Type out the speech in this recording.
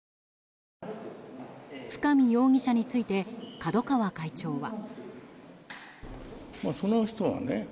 深見容疑者について角川会長は。